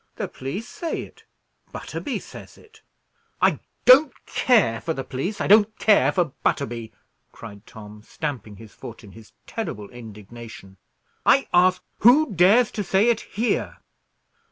"The police say it. Butterby says it." "I don't care for the police; I don't care for Butterby," cried Tom, stamping his foot in his terrible indignation. "I ask, who dares to say it here?"